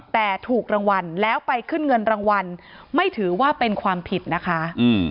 แต่ถูกรางวัลแล้วไปขึ้นเงินรางวัลไม่ถือว่าเป็นความผิดนะคะ